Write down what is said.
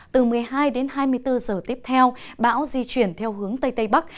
từ một mươi hai đến hai mươi bốn giờ tiếp theo bão di chuyển theo hướng tây tây bắc